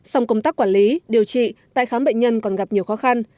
xong công tác quản lý điều trị tai khám bệnh nhân còn gặp nhiều khó khăn